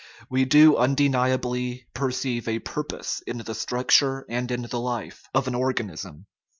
We do undeni ably perceive a purpose in the structure and in the life of an organism.